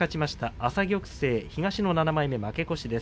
朝玉勢、東の７枚目負け越しです。